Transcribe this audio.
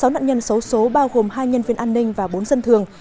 sáu nạn nhân xấu số bao gồm hai nhân viên an ninh và bốn dân thường